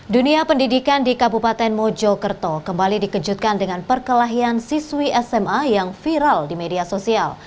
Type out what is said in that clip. dunia pendidikan di kabupaten mojokerto kembali dikejutkan dengan perkelahian siswi sma yang viral di media sosial